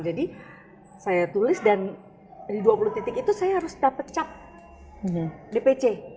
jadi saya tulis dan di dua puluh titik itu saya harus dapet cap dpc